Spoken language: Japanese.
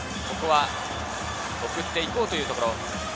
ここは送って行こうというところ。